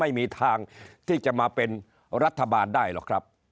ไม่มีทางที่จะมาเป็นรัฐบาลได้หรอกครับ